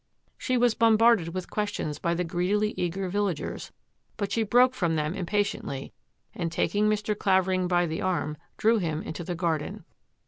She was bombarded with questions by the greedily eager villagers, but she broke from them impa tiently, and taking Mr. Clavering by the arm, drew him into the garden.